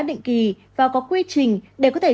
định kỳ và có quy trình để có thể